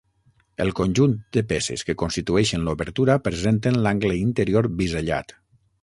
El conjunt de peces que constitueixen l'obertura presenten l'angle interior bisellat.